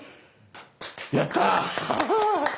やった！